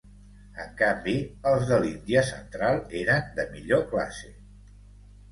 En canvi els de l'Índia Central eren de millor classe.